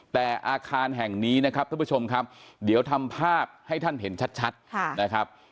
แต่อาคารแห่งนี้นะครับท่านผู้ชมครับเดี๋ยวทำภาพให้ท่านเห็นชัดนะครับ